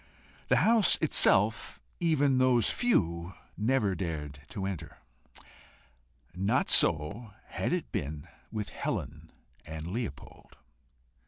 The house itself even those few never dared to enter. Not so had it been with Helen and Leopold.